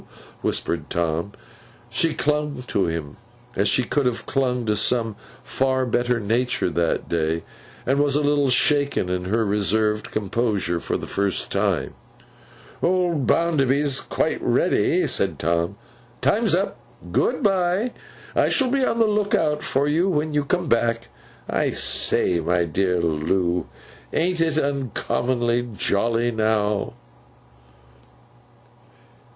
whispered Tom. She clung to him as she should have clung to some far better nature that day, and was a little shaken in her reserved composure for the first time. 'Old Bounderby's quite ready,' said Tom. 'Time's up. Good bye! I shall be on the look out for you, when you come back. I say, my dear Loo! AN'T it uncommonly jolly now!